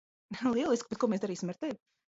Lieliski, bet ko mēs darīsim ar tevi?